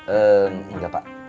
eh engga pak